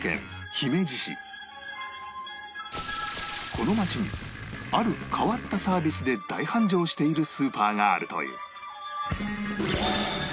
この街にある変わったサービスで大繁盛しているスーパーがあるという